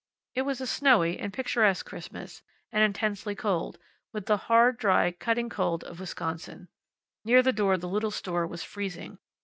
It was a snowy and picturesque Christmas, and intensely cold, with the hard, dry, cutting cold of Wisconsin. Near the door the little store was freezing.